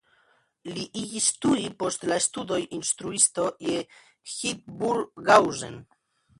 Li iĝis tuj post la studoj instruisto je Hildburghausen.